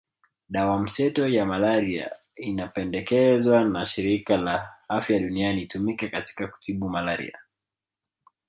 Dawa mseto ya malaria inapendekezwa na Shirika la Afya Duniani itumike katika kutibu malaria